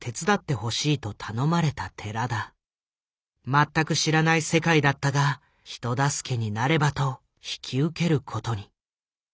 全く知らない世界だったが人助けになればと引き受けることに。